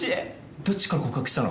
どっちから告白したの？